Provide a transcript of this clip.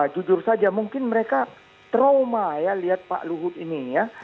jujur saja mungkin mereka trauma ya lihat pak luhut ini ya